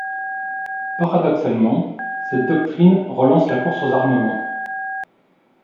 Paradoxalement, cette doctrine relance la course aux armements.